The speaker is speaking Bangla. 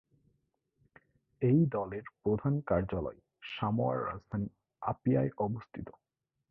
এই দলের প্রধান কার্যালয় সামোয়ার রাজধানী আপিয়ায় অবস্থিত।